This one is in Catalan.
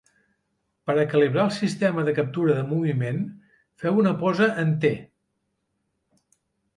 Per a calibrar el sistema de captura de moviment, feu una posa en T.